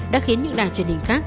đã khiến những đài truyền hình khác